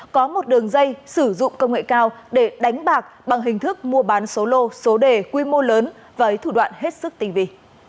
có một đường dây sử dụng công nghệ cao để đánh bạc bằng hình thức mua bán số lô số đề quy mô lớn với thủ đoạn hết sức tình vị